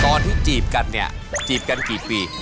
ตอนที่จีบกันเนี่ยจีบกันกี่ปี